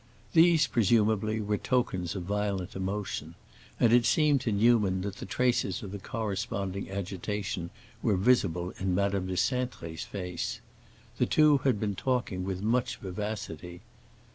These, presumably, were tokens of violent emotion, and it seemed to Newman that the traces of corresponding agitation were visible in Madame de Cintré's face. The two had been talking with much vivacity.